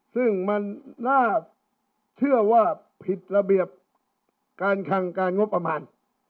ซึ่งมันน่าเชื่อว่าผิดระเบียบการคังการงบประมาณ